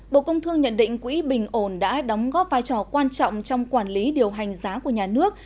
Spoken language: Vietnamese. bộ công thương nhận định quỹ bình ổn đã đóng góp vai trò quan trọng trong quản lý điều hành giá của nhà nước